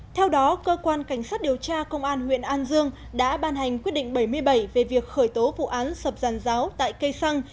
theo đó cơ quan cảnh sát điều tra công an huyện an dương đã ban hành quyết định bảy mươi bảy về việc khởi tố vụ án sập giàn giáo tại cây xăng